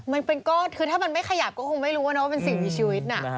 มันเป็นก้อนคือถ้ามันไม่ขยับก็คงไม่รู้ว่าเป็นสิ่งมีชีวิตน่ะ